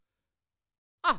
あっ！